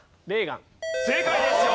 正解ですよ。